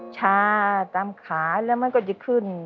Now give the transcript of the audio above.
ชาตามขาแล้วมันก็จะขึ้น